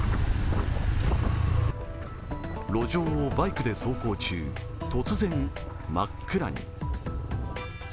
路上をバイクで走行中、突然真っ暗に。